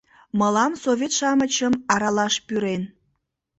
Мылам совет-шамычым аралаш пӱрен...